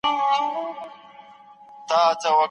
آیا د زده کړي پر مهال د یاداښتونو لیکل ګټور دي؟